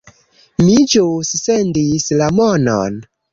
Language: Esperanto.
Mi ĵus sendis la monon